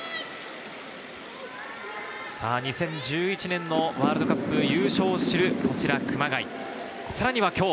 ２０１１年のワールドカップ優勝を知る熊谷。